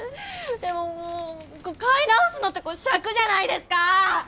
でももう買い直すのってこうしゃくじゃないですか！